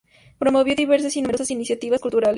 Promovió diversas y numerosas iniciativas culturales.